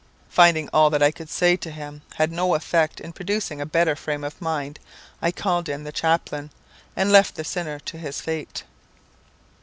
Finding that all I could say to him had no effect in producing a better frame of mind I called in the chaplain, and left the sinner to his fate.